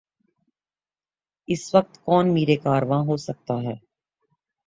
اس وقت کون میر کارواں ہو سکتا ہے؟